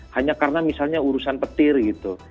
hanya karena misalnya urusan petir gitu